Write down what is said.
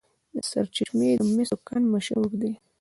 د سرچشمې د مسو کان مشهور دی.